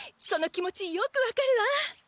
その気持ちよく分かるわ！